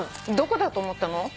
どこだと思ったの？